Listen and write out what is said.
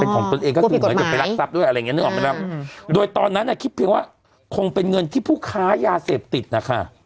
อ๋อกลัวผิดกฎหมายโดยตอนนั้นคิดเพียงว่าคงเป็นเงินที่ผู้ค้ายาเสพติดนะคะ